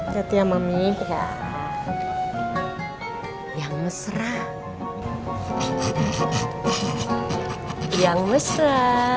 setia mami ya yang mesra yang mesra